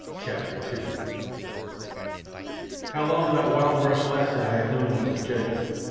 CHAPTER II How long that wild rush lasted I have no means of judging.